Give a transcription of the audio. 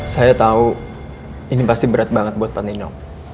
saya tahu ini pasti berat banget buat pak nino